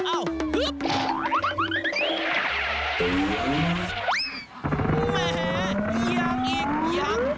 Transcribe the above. แหมยังอีกยัง